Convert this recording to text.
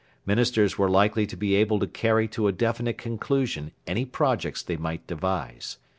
Ministers were likely to be able to carry to a definite conclusion any projects they might devise.